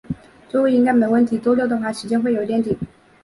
周日应该没问题，周六的话，时间会有点紧。